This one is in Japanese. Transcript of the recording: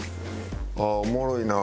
ああおもろいな。